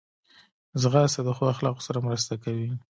ځغاسته د ښو اخلاقو سره مرسته کوي